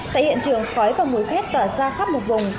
tại hiện trường khói và mùi khét tỏa ra khắp một vùng